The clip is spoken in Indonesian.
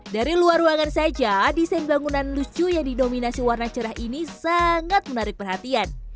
dari luar ruangan saja desain bangunan lucu yang didominasi warna cerah ini sangat menarik perhatian